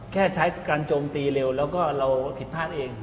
แค่ใช้การโจมตีเร็วแล้วก็เราผิดพลาดเอง